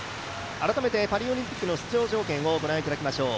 改めてパリオリンピックの出場条件を見ていただきましょう。